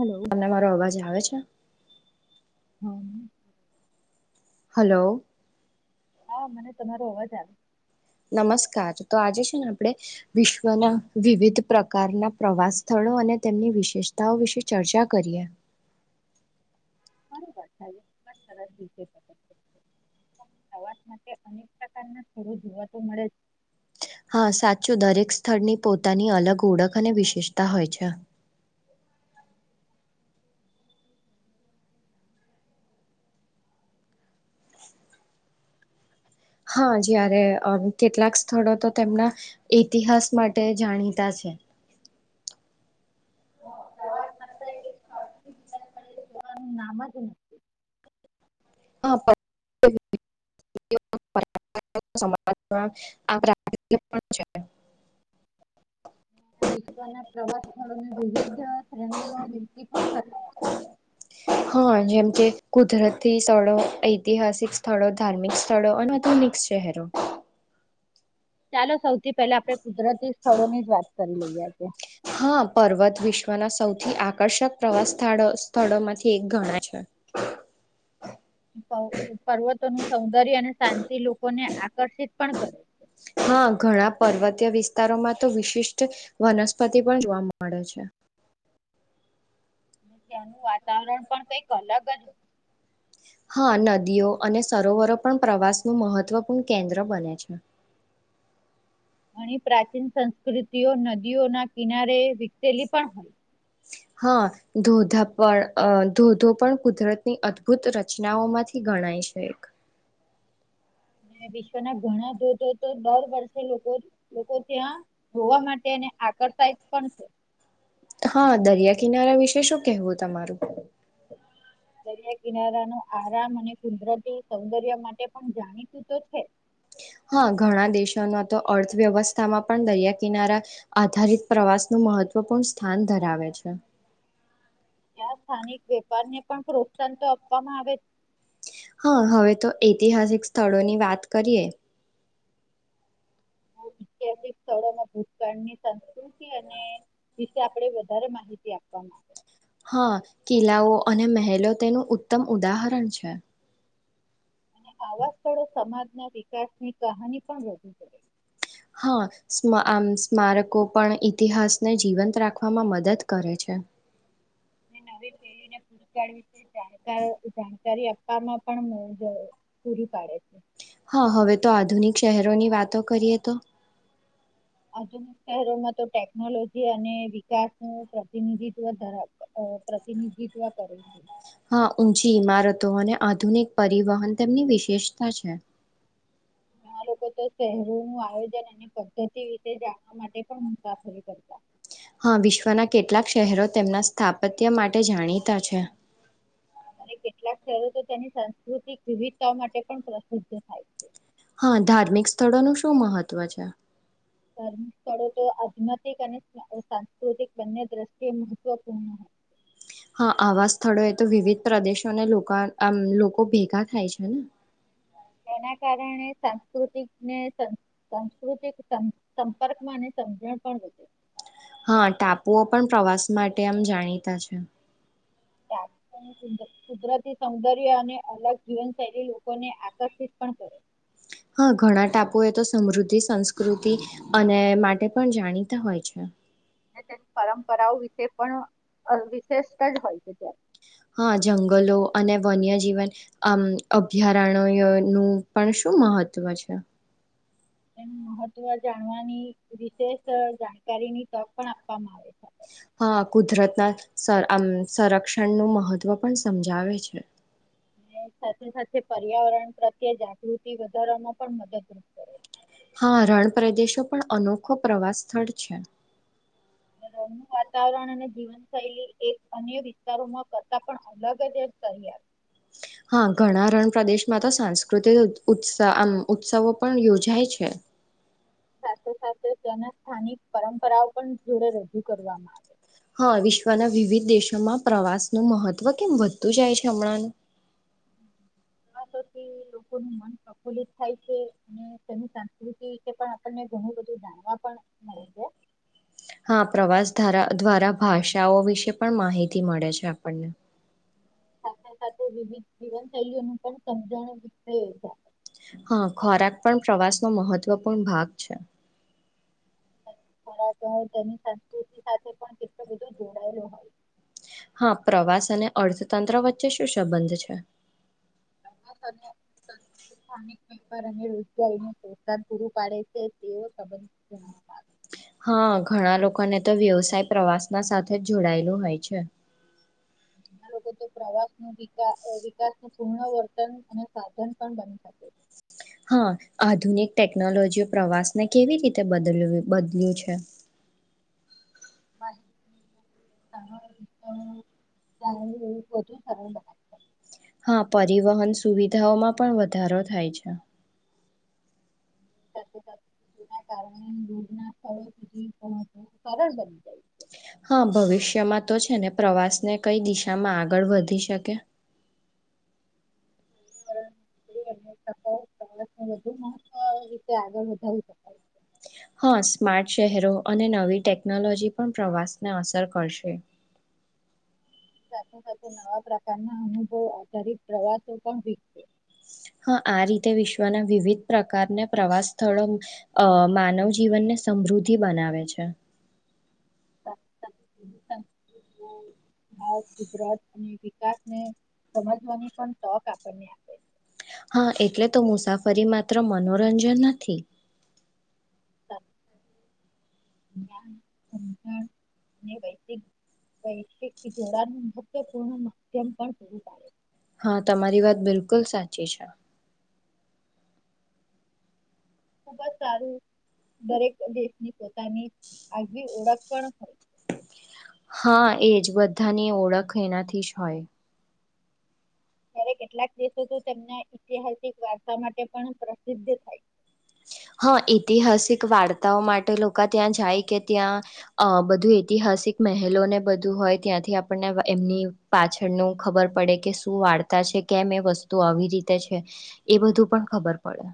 Hello મને મારો અવાજ આવે છે? હ. હલો. હા મને તમારો અવાજ આવે. નમસ્કાર તો આજે છે ને આપણે વિશ્વના વિવિધ પ્રકારના પ્રવાસ સ્થળો અને તેમની વિશેષતાઓ વિશે ચર્ચા કરીએ. [unintelligible] પ્રવાસ માટે અનેક પ્રકારના થોડ જોવા તો મળે. હા સાચું દરેક સ્થળની પોતાની અલગ ઓળખ અને વિશેષતા હોય છે. હા જયારે અ કેટલાક સ્થળો તો તેમના ઇતિહાસ માટે જાણીતા છે. હા, પ્રવાસ જોવાનું નામ જ [unintelligible] [unintelligible] વિશ્વના પ્રવાસ સ્થળોની વિવિધ શ્રેણીઓ હા, જેમ કે [unintelligible] કુદરતી સ્થળો ઐતિહાસિક સ્થળો ધાર્મિક સ્થળો અને આધુનિક શહેરો. ચાલો સૌવ થી પેલા આપણે કુદરતી સ્થળોની જ વાત કરી લઈ આજે. હા પર્વત વિશ્વના સૌથી આકર્ષક પ્રવાસ સ્થળ સ્થળોમાંથી એક ગણા છે. પર્વત તન સૌંદર્ય અને શાંતિ લોકોને આકર્ષિત પણ કર હા ઘણા પર્વતીય વિસ્તારોમાં તો વિશિષ્ટ વનસ્પતિ પણ જોવા મળે છે. અને ત્યાંનું વાતાવરણ પણ કઈક અલગ જ હા નદીઓ અને સરોવરો પણ પ્રવાસનું મહત્વપૂર્ણ કેન્દ્ર બને છે અને પ્રાચીન સંસ્કૃતિઓ નદીઓના કિનારે વિકસેલી પણ હોય હા ધોધા પણ ધોધો પણ કુદરતની અદભુત રચનાઓ માંથી ગણાય છે એક વિશ્વના ઘણા ધોધો તો દર વર્ષે લોકો લોકો ત્યાં જોવા માટેને આકર સાઇઝ પણ છે હા દરિયા કિનારા વિશે શું કેહવું તમારું દરિયા કિનારા નો આરામ અને કુદરતી સૌંદર્ય માટે પણ જાણીતું તો છે હા ઘણા દેશોનો તો અર્થવ્યવસ્થામાં પણ દરિયા કિનારા આધારિત પ્રવાસનું મહત્વપૂર્ણ સ્થાન ધરાવે છે ત્યાં સ્થાનિક વેપારને પણ પ્રોત્સાહન તો આપવામાં આવે હા હવે તો ઐતિહાસિક સ્થળોની વાત કરીએ ઐતિહાસિક સ્થળોમાં ભૂતકાળ ની સંસ્કૃતિ અને વિશે આપણે વધારે માહિતી આપવામાં આવે હા કિલ્લાઓ અને મહેલો તેનું ઉત્તમ ઉદાહરણ છે અને આવા સ્થળો સમાજના વિકાસની કહાની પણ વધી કરે હા આમ સ્મારકો પણ ઇતિહાસને જીવંત રાખવામાં મદદ કરે છે નવી પેઢી ને [inaudible] જાણકારો થી જાન ત્યારે અપ્પામાં પણ [unintelligible] પૂરી પાડે છે હા હવે તો આધુનિક શહેરોની વાતો કરીએ તો આધુનિક શહેરોમાં તો ટેકનોલોજી અને વિકાસ નું પ્રતિનિધિત્વ ધરાવ પ્રતિનિધિત્વ કરે છે હા ઊંચી ઈમારતો અને આધુનિક પરિવહન તેમની વિશેષતા છે ઘણા લોકો તો શહેરોનું આયોજન અને પદ્ધતિ વિશે જાણવા માટે પણ મુસાફરી કરતા હા વિશ્વના કેટલાક શહેરો તેમના સ્થાપત્ય માટે જાણીતા છે અને કેટલાક શહેરો તો તેની સાંસ્કૃતિક વિવિધતા માટે પણ પ્રસિદ્ધ થાય છે હા ધાર્મિક સ્થળોનું શું મહત્વ છે ધાર્મિક સ્થળો તો આધ્યાતિક અને સાંસ્કૃતિક બંને દ્રષ્ટિએ મહત્વપૂર્ણ હોય છે હા આવા સ્થળો એ તો વિવિધ પ્રદેશોને લોકા આમ લોકો ભેગા થાય છે ને તેના કારણે સાંસ્કૃતિકને સાંસ્કૃતિક સંપર્કમાં અને સમજણ પણ વધ હા ટાપુઓ પણ પ્રવાસ માટે આમ જાણીતા છે તાપુઓનું કુદરતી સૌંદર્ય અને અલગ જીવનશૈલી લોકોને આકર્ષિત પણ કરે હા ઘણા ટાપુ એ તો સમૃદ્ધિ સંસ્કૃતિ અને માટે પણ જાણીતા હોય છે અને તેની પરંપરાઓ વિશે પણ વિશિષ્ટ જ હોય છે ત્યારે હા જંગલો અને વન્યજીવન આમ અભ્યારણ નું પણ શું મહત્વ છે એ મહત્વ જાણવાની વિશેષ જાણકારીની તક પણ આપવામાં આવે છે હા કુદરતના સં આમ સંરક્ષણનું મહત્વ પણ સમજાવે છે અને સાથે સાથે પર્યાવરણ પ્રત્યે જાગૃતિ વધારવામાં પણ મદદરૂપ કરે છે હા રણ પ્રદેશો પણ અનોખો પ્રવાસ સ્થળ છે રણનું વાતાવરણ અને જીવનશૈલી એક અન્ય વિસ્તારોમાં કરતા પણ અલગ જ તયાર હા ઘણા રણ પ્રદેશમાં તો સાંસ્કૃતિક ઉ આમ ઉત્સવો પણ યોજાય છે સાથે સાથે તેના સ્થાનિક પરંપરાઓ પણ જોડે રજૂ કરવામાં આવે હ વિશ્વના વિવિધ દેશોમાં પ્રવાસનું મહત્વ કેમ વધતું જાય છે હમણાંનું [unintelligible] થી લોકોનું મન પ્રફુલ્લિત થાય છે અને તેની સંસ્કૃતિ વિશે પણ આપને ઘણું બધું જાણવા પણ મળે છે હા પ્રવાસ ધારા દ્વારા ભાષાઓ વિશે પણ માહિતી મળે છે આપણને સાથે સાથે વિવિધ જીવનશૈલીઓ નો પણ સમજણું છે. હા ખોરાક પણ પ્રવાસનો મહત્વપૂર્ણ ભાગ છે. ખોરાક તો તેની સંસ્કૃતિ સાથે પણ કેટલો બધો જોડાયેલો હોય. હા પ્રવાસ અને અર્થતંત્ર વચ્ચે શું સંબંધ છે. પ્રવાસ અને સ્થાનિક વેપાર અને રોજગારીને પ્રોત્સાહન પૂરું પાડે છે તેવ સંબંધ જણવામાં આવે હા ઘણા લોકોને તો વ્યવસાય પ્રવાસ ના સાથે જ જોડાયેલું હોય છે. ઘણા લોકો તો પ્રવાસ નુ વિકા વિકાસનું પુર્ણ વર્તન અને સાધન પણ બની શકે હા આધુનિક ટેકનોલોજી પ્રવાસને કેવી રીતે બદલ બદલ્યું છે. [unintelligible] હા પરિવહન સુવિધાઓમાં પણ વધારો થાય છે. કારણે રોગના સ્થળો સુધી પહોચવું સરળ બની જાય હા ભવિષ્યમાં તો છે ને પ્રવાસને કઈ દિશામાં આગળ વધી શકે [unintelligible] હા સ્માર્ટ શહેરો અને નવી ટેકનોલોજી પણ પ્રવાસને અસર કરશે સાથે સાથે નવા પ્રકારના અનુભવ આધારિત પ્રવાસો પણ વિકશે હા આ રીતે વિશ્વના વિવિધ પ્રકારના પ્રવાસ સ્થળો અ માનવ જીવનને સમૃદ્ધિ બનાવે છે. [inaudible] [inaudible] ગુજરાત અને ને સમજવાની પણ તક આપણને આપે છે. હા એટલે તો મુસાફરી માત્ર મનોરંજન નથી. [inaudible] [inaudible] વૈ વૈશ્વિક જોડાણ મહત્વપૂર્ણ માધ્યમ પણ પૂરું પાડે હા તમારી વાત બિલકુલ સાચી છે. ખુબ જ સારું દરેક દેશની પો પોતાની આગવી ઓળખ પણ હોય. હા એજ બધાની ઓળખ એનાથી જ હોય ત્યારે કેટલાક દેશો તો તેમના ઐતિહાસિક વાર્સા માટે પણ પ્રસિદ્ધ થાય છે. હા ઐતિહાસિક વાર્તાઓ માટે લોકો ત્યાં જાય કે ત્યાં અ બધું ઐતિહાસિક મહેલોને બધું હોય ત્યાંથી આપણને એમની પાછળનું ખબર પડે કે શું વાર્તા છે કેમ એ વસ્તુ આવી રીતે છે એ બધું પણ ખબર પડે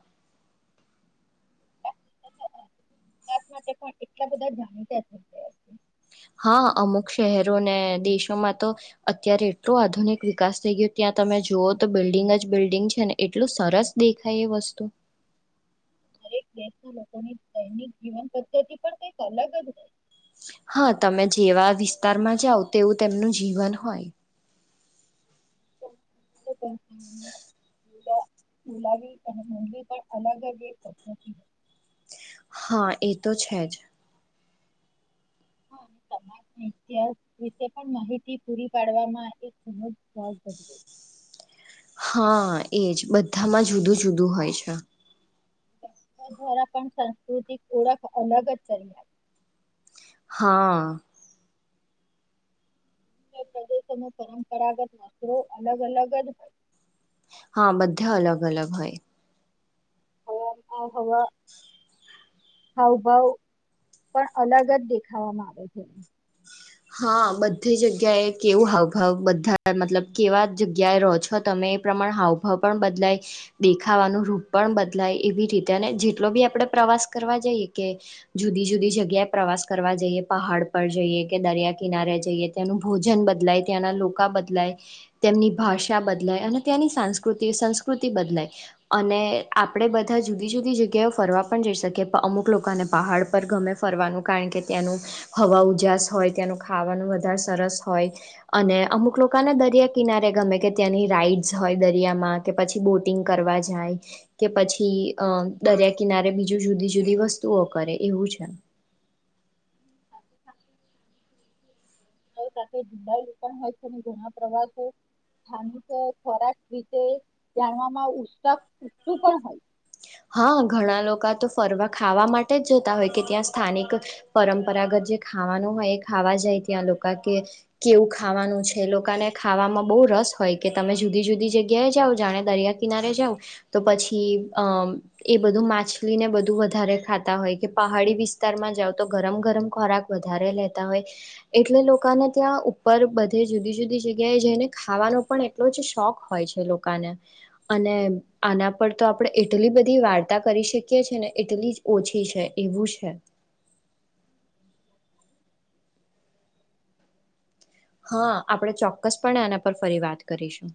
છે. વિકાસ માટે એટલા બધા જાણીતા હા અમુક શહેરોને દેશોમાં તો અત્યારે એટલો આધુનિક વિકાસ થઈ ગયો ત્યાં તમે જોવો તો બિલ્ડિંગ જ બિલ્ડિંગ છે ને એટલું સરસ દેખાય એ વસ્તુ દરેક દેશના લોકોની દૈનિક જીવન પદ્ધતિથી પણ કઈક અલગ જ હોય હા તમે જેવા વિસ્તારમાં જાઓ તેવું તેમનું જીવન હોય બલાવી અને મંદી પણ અલગ હા એ તો છે જ વિશે પણ માહિતી પૂરી પાડવામાં એક હા [unintelligible] એજ બધામાં જુદું જુદું હોય છે. દ્વારા પણ સાંસ્કૃતિક ઓળખ અલગ જ કરી હા પ્રદેશોમાં પરંપરાગત વસ્ત્રો અલગ અલગ જ હોય. હા બધા અલગ અલગ હોય. હવા હાવભાવ પણ અલગ જ દેખાવામાં આવે છે. હા બધી જગ્યાએ કેવું હાવભાવ બધા મતલબ કેવા જગ્યાએ રહો છો તમે એ પ્રમાણે હાવભાવ પણ બદલાય દેખાવાનું રૂપ પણ બદલાય એવી રીતે અને જેટલો બી આપણે પ્રવાસ કરવા જઈએ કે જુદી જુદી જગ્યાએ પ્રવાસ કરવા જઈએ પહાડ પર જઈએ કે દરિયા કિનારે જઈએ ત્યાંનું ભોજન બદલાય ત્યાંના લોકો બદલાય, તેમની ભાષા બદલાય અને ત્યાંની સાસ્કૃ સંસ્કૃતિ બદલાય, અને આપણેે બધા જુદી જુદી જગ્યાઓ ફરવા પણ જઈ શકીએ અમુક લોકોને પહાડ પર ગમે ફરવાનું કારણ કે ત્યાંનું, હવા ઉજ હોય ત્યાંનું ખાવાનું વધારે સરસ હોય, અને અમુક લોકોને દરિયા કિનારે ગમે કે ત્યાંની રાઈડસ હોય દરિયામાં કે પછી બોટિંગ કરવા જાય, કે પછી અ દરિયા કિનારે બીજું જુદી જુદી વસ્તુઓ કરે એવું છે. ાય હોય છે ઘણા પ્રવાસો, સ્થાનિક ખોરાક વિ જાણવામાં ઉ તું પણ હોય. હા ઘણા લોકો તો ફરવા ખાવા માટે જ જતા હોય કે ત્યાં સ્થાનિક, પરંપરાગત જે ખાવાનું હોય એ ખાવા જાય ત્યાં લોકો કે, કેવું ખાવાનું છે લોકોને ખાવામાં બહુ રસ હોય કે તમે જુદી જુદી જગ્યાએ જઓ જાણે દરિયા કિનારે જાવ. તો પછી અમ એ બધું માછલીને બધું વધારે ખાતા હોય કે પહાડી વિસ્તારમાં જાવ તો ગરમ ગરમ ખોરાક વધારે લેતા હોય, એટલે લોકોને ત્યાં ઉપર બધે જુદી જુદી જગ્યાએ જઈને ખાવાનો પણ એટલો જ શોખ હોય છે લોકોને, અને આના પર તો આપણે એટલી બધી વાર્તા કરી શકીએ છે ને એટલી જ ઓછી છે એવું છે. હા આપણે ચોક્કસ પણ એના પર ફરી વાત કરીશું.